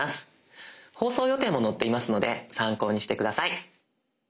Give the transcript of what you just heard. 放送予定も載っていますので参考にして下さい。